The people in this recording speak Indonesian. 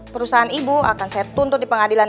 perusahaan ibu akan saya tuntut di pengadilan